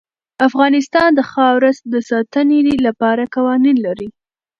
افغانستان د خاوره د ساتنې لپاره قوانین لري.